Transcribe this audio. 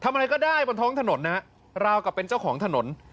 อะไรก็ได้บนท้องถนนนะฮะราวกับเป็นเจ้าของถนน